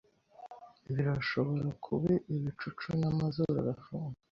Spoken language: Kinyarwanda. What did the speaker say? Birashobora kuba ibicucunamazuru arafunga